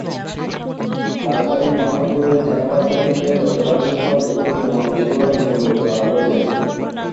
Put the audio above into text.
রাজধানীর মোহাম্মদপুরের জেনেভা ক্যাম্পে গতকাল শুক্রবার দুপুরে বোমা বিস্ফোরণে দুজন গুরুতর আহত হয়েছেন।